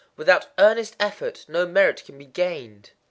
Without earnest effort no merit can be gained.